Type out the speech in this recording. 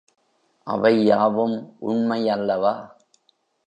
அவை யாவும் உண்மையல்லவா?